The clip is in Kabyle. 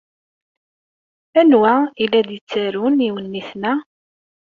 Anwa ay la d-yettarun iwenniten-a?